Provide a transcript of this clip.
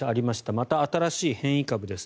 また新しい変異株です。